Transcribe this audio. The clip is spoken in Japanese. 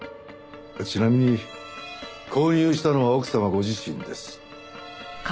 ちなみに購入したのは奥様ご自身です。